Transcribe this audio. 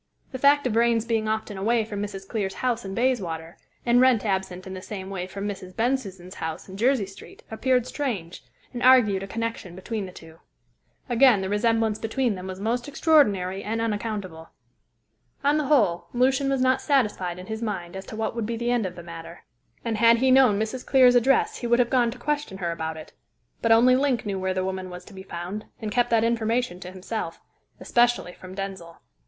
The fact of Vrain's being often away from Mrs. Clear's house in Bayswater, and Wrent absent in the same way from Mrs. Bensusan's house in Jersey Street, appeared strange, and argued a connection between the two. Again, the resemblance between them was most extraordinary and unaccountable. On the whole, Lucian was not satisfied in his mind as to what would be the end of the matter, and had he known Mrs. Clear's address he would have gone to question her about it. But only Link knew where the woman was to be found, and kept that information to himself especially from Denzil.